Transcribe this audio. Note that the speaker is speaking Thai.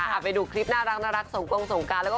เอาไปดูคลิปน่ารักสงกรงสงกราณ